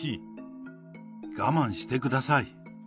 我慢してください。